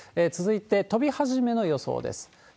続いて、飛び始めの予想です。